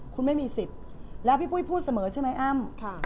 คุณไม่มีสิทธิ์แล้วพี่ปุ้ยพูดเสมอใช่ไหมอ้ำ